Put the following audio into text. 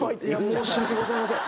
申し訳ございません。